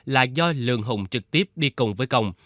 là do lường hùng trực tiếp đi cùng với công